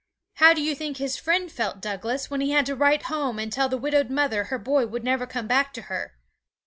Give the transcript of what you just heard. How do you think his friend felt, Douglas, when he had to write home and tell the widowed mother her boy would never come back to her?